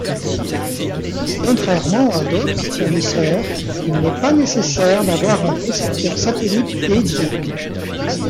Contrairement à d'autres fournisseurs, il n'est pas nécessaire d'avoir un récepteur satellite dédié.